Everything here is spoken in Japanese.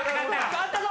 勝ったぞ！